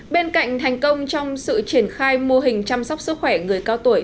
bên cạnh thành công trong sự triển khai mô hình chăm sóc sức khỏe người cao tuổi